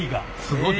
すごい。